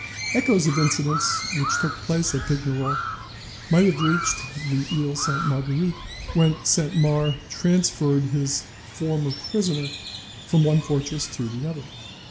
Echoes of incidents which took place at Pignerol might have reached the Iles Sainte Marguerite when Saint Mars transferred his "former prisoner" from one fortress to the other.